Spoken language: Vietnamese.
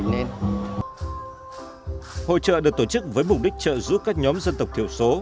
hội trợ được tổ chức với mục đích trợ giúp các nhóm dân tộc thiểu số